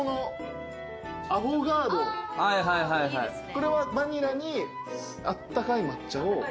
これはバニラにあったかい抹茶を。